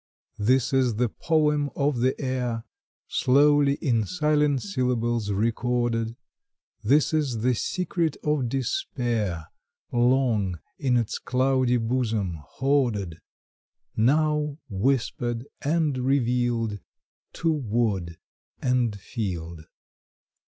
This is the poem of the air, Slowly in silent syllables recorded; This is the secret of despair, Long in its cloudy bosom hoarded, Now whispered and revealed To wood and field.